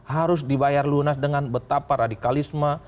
harus dibayar lunas dengan betapa radikalisme